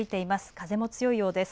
風も強いようです。